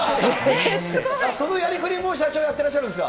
そのやりくりも社長、やってらっしゃるんですか。